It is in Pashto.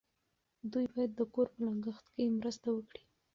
دوی باید د کور په لګښت کې مرسته وکړي.